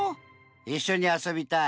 いっしょにあそびたい。